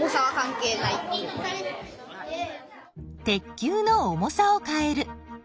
鉄球の重さを変える。